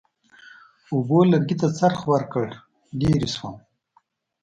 اوبو لرګي ته څرخ ورکړ، لرې شوم.